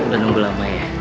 lo gak nunggu lama ya